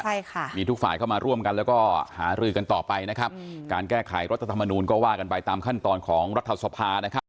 ใช่ค่ะมีทุกฝ่ายเข้ามาร่วมกันแล้วก็หารือกันต่อไปนะครับการแก้ไขรัฐธรรมนูลก็ว่ากันไปตามขั้นตอนของรัฐสภานะครับ